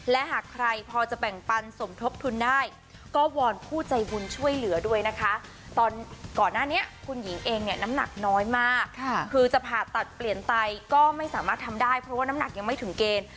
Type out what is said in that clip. และหากใครพอจะแบ่งปันสมทบทุนได้ก็วอนผู้ใจบุญช่วยเหลือด้วยนะคะตอนก่อนหน้านี้คุณหญิงเองเนี่ยน้ำหนักน้อยมากคือจะผ่าตัดเปลี่ยนไตก็ไม่สามารถทำได้เพราะว่าน้ำหนักยังไม่ถึงเกณฑ์